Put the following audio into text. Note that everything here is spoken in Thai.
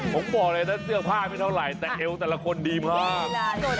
ผมบอกเลยนะเสื้อผ้าไม่เท่าไหร่แต่เอวแต่ละคนดีมาก